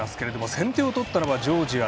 先手を取ったのは、ジョージア。